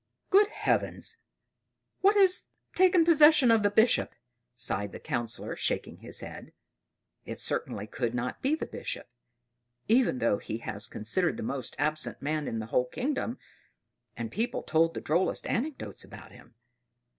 "Good Heavens! What has taken possession of the Bishop?" sighed the Councillor, shaking his head. It certainly could not be the Bishop; even though he was considered the most absent man in the whole kingdom, and people told the drollest anecdotes about him.